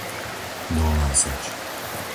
Dolná Seč